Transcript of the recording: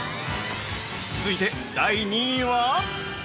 ◆続いて、第２位は。